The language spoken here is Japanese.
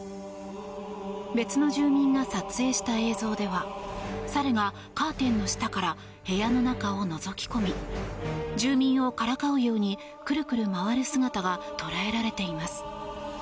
別の住民が撮影した映像では猿がカーテンの下から部屋の中をのぞき込み住民をからかうようにクルクル回る姿が捉えられています。